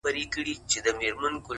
• د کلې خلگ به دي څه ډول احسان ادا کړې؛